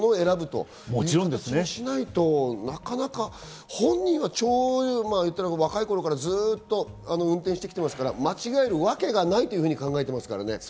そういうふうにしないとなかなか本人は若い頃からずっと運転してきていますから間違えるわけがないと考えていますからね。